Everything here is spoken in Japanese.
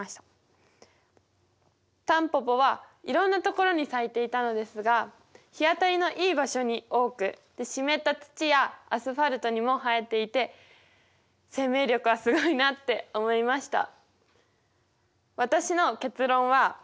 タンポポはいろんなところに咲いていたのですが日当たりのいい場所に多く湿った土やアスファルトにも生えていて生命力はすごいなって思いました。